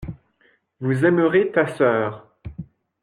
Vous aimerez ta sœur.